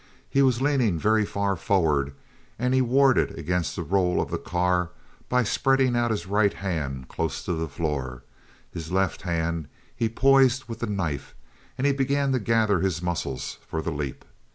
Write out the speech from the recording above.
He was leaning very far forward, and he warded against the roll of the car by spreading out his right hand close to the floor; his left hand he poised with the knife, and he began to gather his muscles for the leap.